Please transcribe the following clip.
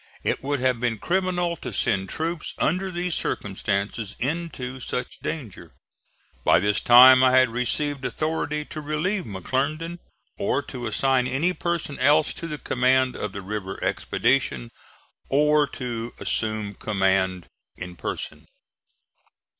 It would have been criminal to send troops under these circumstances into such danger. By this time I had received authority to relieve McClernand, or to assign any person else to the command of the river expedition, or to assume command in person.